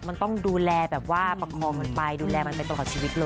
มันต้องดูแลอัปคองมันไปดูแลมันไปต่อชีวิต